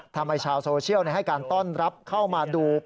ทำให้ชาวโซเชียลให้การต้อนรับเข้ามาดู